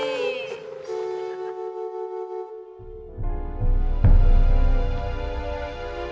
ini dia nih